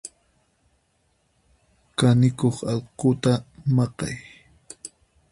Kanikuq alquta maqay.